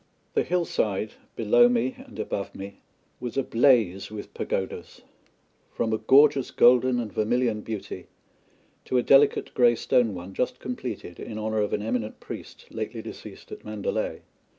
The hillside below me and above me was ablaze with pagodas from a gorgeous golden and vermilion beauty to a delicate grey stone one just completed in honour of an eminent priest lately deceased at Mandalay.